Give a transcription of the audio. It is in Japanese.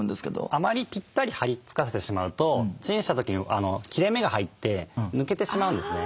あまりピッタリはり付かせてしまうとチンした時に切れ目が入って抜けてしまうんですね。